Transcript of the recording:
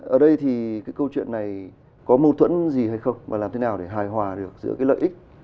ở đây thì cái câu chuyện này có mâu thuẫn gì hay không và làm thế nào để hài hòa được giữa cái lợi ích